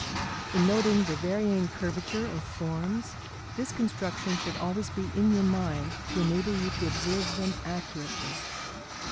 In noting the varying curvature of forms, this construction should always be in your mind to enable you to observe them accurately.